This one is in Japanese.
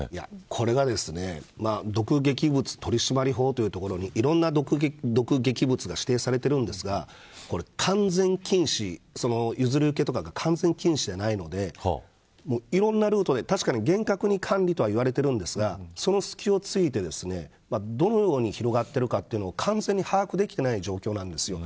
これが、毒劇物取締法というところにいろんな毒劇物が指定されているんですがこれ、完全禁止譲り受けとかが完全禁止ではないので確かに、厳格に管理とはいわれているんですがその隙を突いてどのように広がっているのか完全に把握できていない状況なんです。